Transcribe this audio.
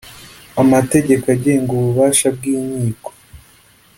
amategeko agenga ububasha bw inkiko